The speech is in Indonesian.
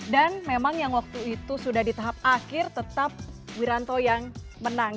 dan memang yang waktu itu sudah di tahap akhir tetap wiranto yang menang